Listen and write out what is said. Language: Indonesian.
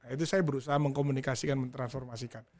itu saya berusaha mengkomunikasikan mentransformasikan